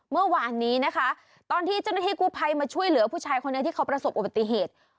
เมื่อวานนี้นะคะตอนที่เจ้าหน้าที่กู้ภัยมาช่วยเหลือผู้ชายคนนี้ที่เขาประสบอุบัติเหตุ